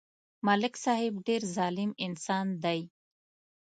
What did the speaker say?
ملک صاحب ډېر ظالم انسان دی